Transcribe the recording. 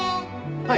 はい。